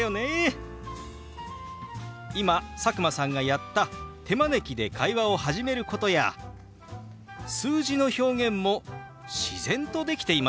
今佐久間さんがやった手招きで会話を始めることや数字の表現も自然とできていましたよ。